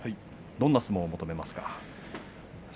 どんな相撲を求めますか？